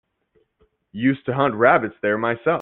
Used to hunt rabbits there myself.